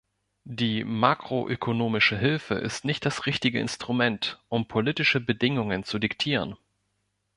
Die makroökonomische Hilfe ist nicht das richtige Instrument, um politische Bedingungen zu diktieren.